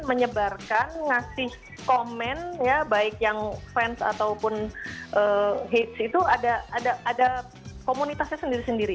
menyebarkan ngasih komen ya baik yang fans ataupun hits itu ada komunitasnya sendiri sendiri